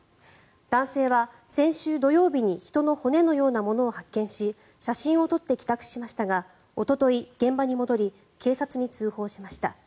男性は先週土曜日に人の骨のようなものを発見し写真を撮って帰宅しましたがおととい、現場に戻り警察に通報しました。